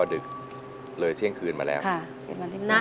ก็ได้เลยเที่ยงคืนมาแล้วชีวิตวันที่๑๒กีทำ